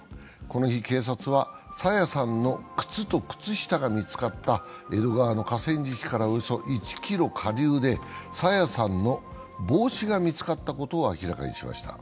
この日、警察は、朝芽さんの靴と靴下が見つかった江戸川の河川敷からおよそ１ｋｍ下流で、朝芽さんの帽子が見つかったことを明らかにしました。